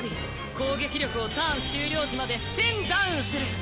攻撃力をターン終了時まで１０００ダウンする。